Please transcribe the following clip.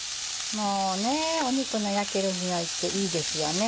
肉の焼ける匂いっていいですよね